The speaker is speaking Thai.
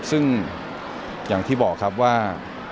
ซึ่งอย่างที่บอกครับว่า